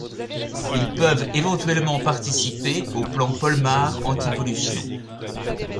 Ils peuvent éventuellement participer au plan Polmar anti-pollution.